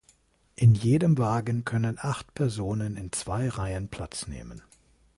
In jedem Wagen können acht Personen in zwei Reihen Platz nehmen.